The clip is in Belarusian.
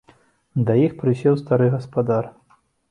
Да іх прысеў стары гаспадар.